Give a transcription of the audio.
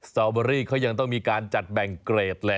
ตอเบอรี่เขายังต้องมีการจัดแบ่งเกรดเลย